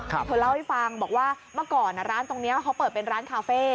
เธอเล่าให้ฟังบอกว่าเมื่อก่อนร้านตรงนี้เขาเปิดเป็นร้านคาเฟ่